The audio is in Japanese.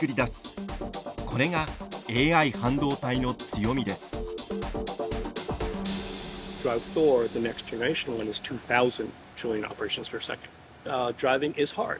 これがＡＩ半導体の強みです。